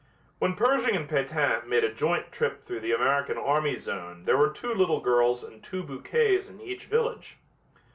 When Pershing and Pétain made a joint trip through the American army zone there were two little girls and two bouquets in each village.